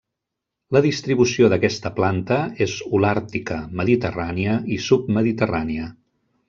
La distribució d'aquesta planta és holàrtica, mediterrània i submediterrània.